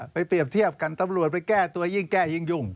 เปรียบเทียบกันตำรวจไปแก้ตัวยิ่งแก้ยิ่งยุ่ง